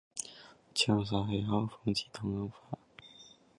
潮湿的气候可能防止糖硬化。